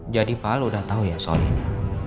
jadi papa udah tahu ya soal ini